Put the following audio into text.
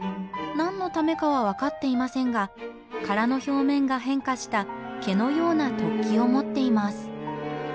何のためかは分かっていませんが殻の表面が変化した毛のような突起を持っています。